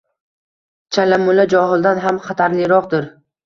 “Chala mulla johildan ham xatarliroqdir.